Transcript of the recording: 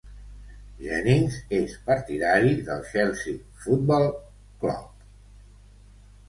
Jennings és partidari del Chelsea Football Club.